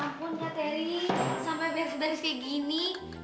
sampai beres beres kayak gini